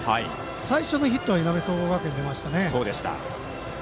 最初のヒットはいなべ総合学園に出ましたね。